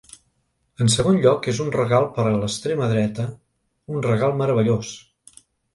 En segon lloc, és un regal per a l’extrema dreta, un regal meravellós.